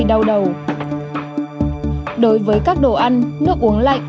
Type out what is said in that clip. đối với các đồ ăn nước uống lạnh